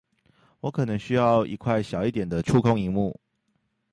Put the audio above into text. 我可能需要一塊小一點的觸控螢幕